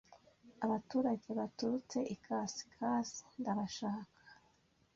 Abaturage baturutse ikasikazi ndabashaka